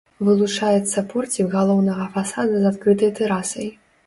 Вылучаецца порцік галоўнага фасада з адкрытай тэрасай.